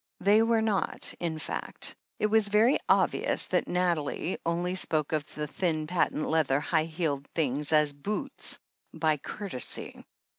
They were not — in fact, it was very obvious that Nathalie only spoke of the thin, patent leather, high heeled things as "boots" by courtesy.